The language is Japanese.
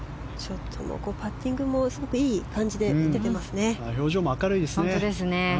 パッティングもすごくいい感じで表情も明るいですね。